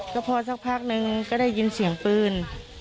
ก็พอสักพักนึงก็ได้ยินเสียงปืน